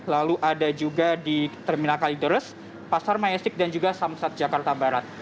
lalu ada juga di terminal kalideres pasar majestik dan juga samsat jakarta barat